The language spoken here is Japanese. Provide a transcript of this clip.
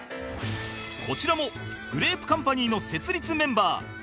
こちらもグレープカンパニーの設立メンバー